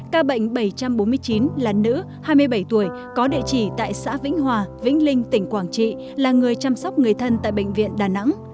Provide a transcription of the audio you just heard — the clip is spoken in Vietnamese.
ca bệnh bảy trăm bốn mươi chín là nữ hai mươi bảy tuổi có địa chỉ tại xã vĩnh hòa vĩnh linh tỉnh quảng trị là người chăm sóc người thân tại bệnh viện đà nẵng